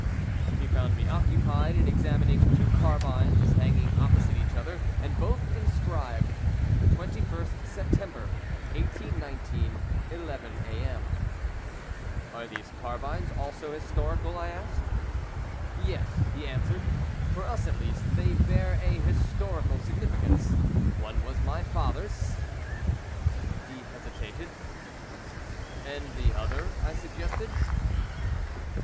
He found me occupied in examing two carbines hanging opposite each other, and both inscribed "21st September, 1819: 11 A.M." "Are these carbines also historical?" I asked. "Yes," he answered. "For us, at least, they bear a historical significance. One was my father's " He hesitated. "And the other," I suggested.